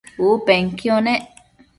U penquio nec